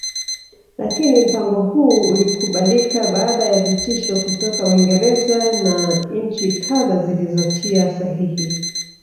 lakini mpango huu ulikubalika baada ya vitisho kutoka Uingereza na nchi kadha zilizotia sahihi